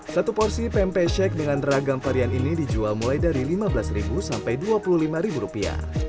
satu porsi pempek shek dengan teragam varian ini dijual mulai dari lima belas sampai dua puluh lima rupiah